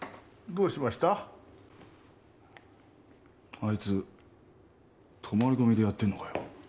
あいつ泊まり込みでやってんのかよ？